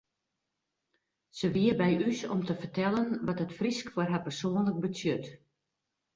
Se wie by ús om te fertellen wat it Frysk foar har persoanlik betsjut.